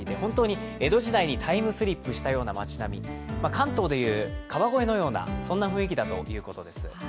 関東で言う川越のような雰囲気だということです。